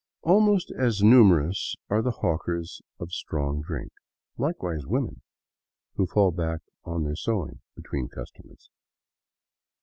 Almost as numerous are the hawkers of strong drink, likewise women, who fall back upon their sewing between customers.